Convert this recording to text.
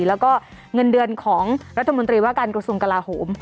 แล้วก็เงินเดือนของรัฐมนตรีว่าการกระทรวงกลาโหม